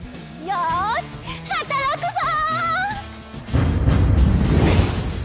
よし働くぞ！